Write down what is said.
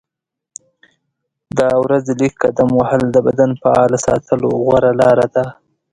د ورځې لږ قدم وهل د بدن فعال ساتلو غوره لاره ده.